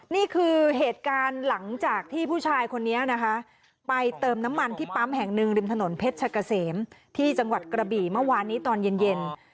นี่คือเหตุการณ์หลังจากที่ผู้ชายคนนี้นะคะไปเติมน้ำมันที่ปั๊มแห่งหนึ่งริมถนนเพชรชะกะเสมที่จังหวัดกระบี่เมื่อวานนี้ตอนเย็น